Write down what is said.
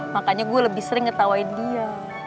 makanya gue lebih sering ngetawain dia